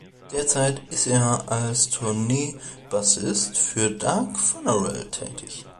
Derzeit ist er als Tourneebassist für Dark Funeral tätig.